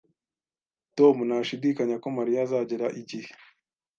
Tom ntashidikanya ko Mariya azagera igihe